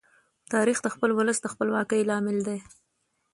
تاریخ د خپل ولس د خپلواکۍ لامل دی.